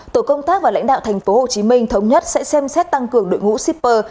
tổ công tác và lãnh đạo tp hcm thống nhất sẽ xem xét tăng cường đội ngũ shipper